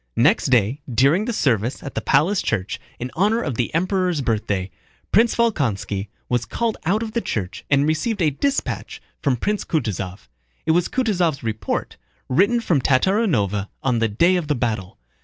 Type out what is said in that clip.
Next day during the service at the palace church in honor of the Emperor's birthday, Prince Volkónski was called out of the church and received a dispatch from Prince Kutúzov. It was Kutúzov's report, written from Tatárinova on the day of the battle.